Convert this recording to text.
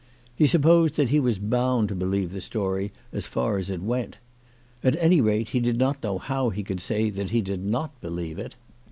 He supposed that he was bound to believe the story as far as it went. At any rate, he did not know how he could say that he did not believe it.